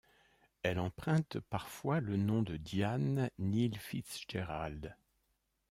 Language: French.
Elle emprunte parfois le nom de Diane Neal-Fitzgerald.